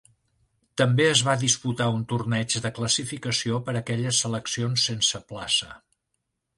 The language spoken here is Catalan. També es va disputar un torneig de classificació per aquelles seleccions sense plaça.